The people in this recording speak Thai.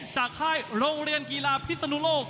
ค่ายโรงเรียนกีฬาพิศนุโลก